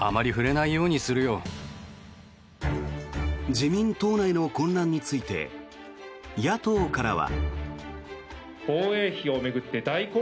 自民党内の混乱について野党からは。